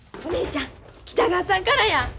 お姉ちゃん北川さんからや。